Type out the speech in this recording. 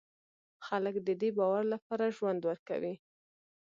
خلک د دې باور لپاره ژوند ورکوي.